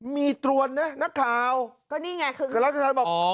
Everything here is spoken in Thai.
มีตรวนนะนักข่าวก็นี่ไงคือราชธรรมบอก